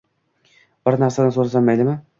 — bir narsani so‘rasam maylimi?